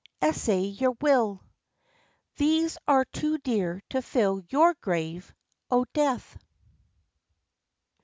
Essay your will These are too dear to fill your grave, O Death!